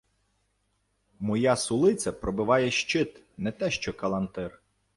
— Моя сулиця пробиває щит, не те що калантир.